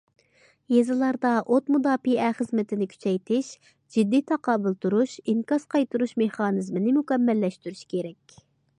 يېزىلاردا ئوت مۇداپىئە خىزمىتىنى كۈچەيتىش، جىددىي تاقابىل تۇرۇش، ئىنكاس قايتۇرۇش مېخانىزمىنى مۇكەممەللەشتۈرۈش كېرەك.